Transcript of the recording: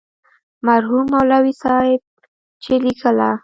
مرحوم مولوي صاحب چې لیکله.